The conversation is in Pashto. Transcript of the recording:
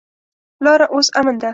لاره اوس امن ده.